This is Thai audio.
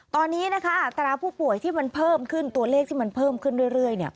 ตอนนี้นะคะอัตราผู้ป่วยที่มันเพิ่มขึ้นตัวเลขที่มันเพิ่มขึ้นเรื่อย